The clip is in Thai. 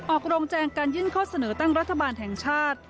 ออกโรงแจงการยื่นข้อเสนอตั้งรัฐบาลแห่งชาติ